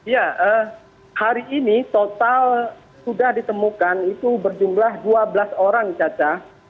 ya hari ini total sudah ditemukan itu berjumlah dua belas orang caca